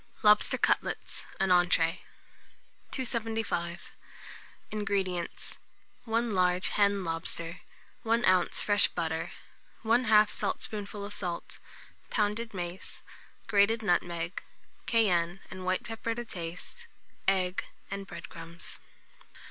LOBSTER CUTLETS (an Entree). 275. INGREDIENTS. 1 large hen lobster, 1 oz. fresh butter, 1/2 saltspoonful of salt, pounded mace, grated nutmeg, cayenne and white pepper to taste, egg, and bread crumbs.